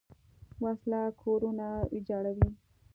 وسله کورونه ویجاړوي